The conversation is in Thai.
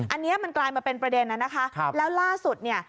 อันนี้มันกลายมาเป็นประเด็นน่ะนะคะแล้วล่าสุดเนี่ย